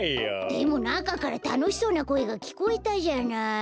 でもなかからたのしそうなこえがきこえたじゃない。